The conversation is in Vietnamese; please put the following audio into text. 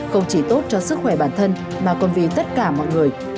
không chỉ tốt cho sức khỏe bản thân mà còn vì tất cả mọi người